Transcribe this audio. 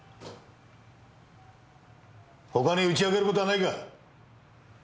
他に打ち明ける事はないか？